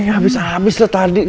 abis abis tuh tadi